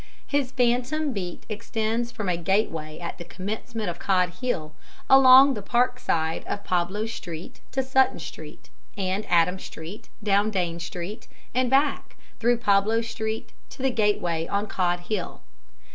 His 'phantom' beat extends from a gateway at the commencement of Cod Hill, along the Park side of Pablo Street to Sutton Street, and Adam Street, down Dane Street, and back, through Pablo Street, to the gateway on Cod Hill."